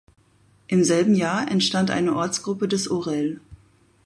Im selben Jahr entstand eine Ortsgruppe des Orel.